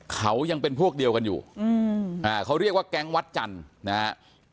เขายังเป็นพวกเดียวกันอยู่เขาเรียกว่าแก๊งวัดจันทร์นะครับ